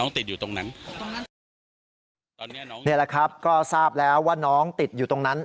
นี่แหละครับก็ทราบแล้วว่าน้องติดอยู่ตรงนั้น